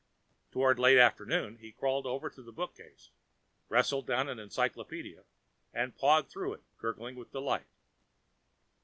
Toward late afternoon, he crawled over to the bookcase, wrestled down the encyclopedia and pawed through it, gurgling with delight.